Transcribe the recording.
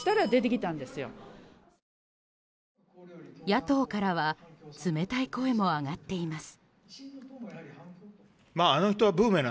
野党からは冷たい声も上がっています。